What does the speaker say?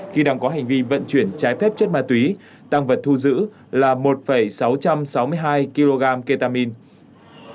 khi đang có hành vi vận chuyển trái phép chất ma túy tăng vật thu giữ là một sáu trăm sáu mươi hai kg ketamine